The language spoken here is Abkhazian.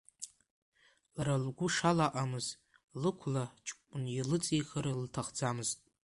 Лара лгәы шалаҟамыз лықәла ҷкәын илыҵихыр лҭахӡамызт.